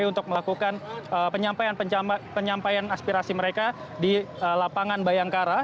untuk melakukan penyampaian aspirasi mereka di lapangan bayangkara